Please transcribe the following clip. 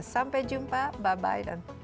sampai jumpa bye bye dan